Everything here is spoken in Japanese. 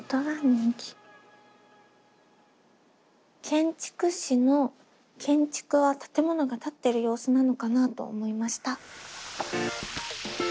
「建築士」の「建築」は建物が建ってる様子なのかなと思いました。